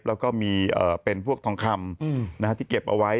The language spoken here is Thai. แล้วก็มีเป็นพวกทองคำที่เก็บเอาไว้